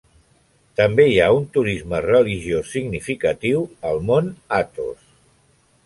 També hi ha un turisme religiós significatiu al mont Athos.